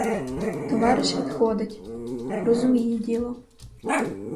Товариш відходить — розуміє діло.